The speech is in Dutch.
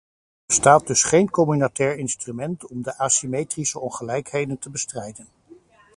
Er bestaat dus geen communautair instrument om de asymmetrische ongelijkheden te bestrijden.